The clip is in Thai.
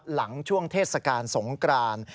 หลังช่วงเทศกาลสงกราน